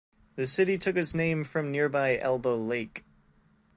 The city took its name from nearby Elbow Lake.